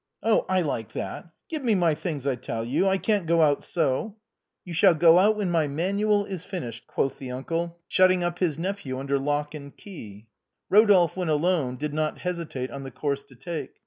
" I like that ! Give me my things, I tell you ; I can't go out so !"" You shall go out when ray ' Manual ' is finished," quoth the uncle, shutting up his nephew under lock and key. Eodolphe, when left alone, did not hesitate on the course to take.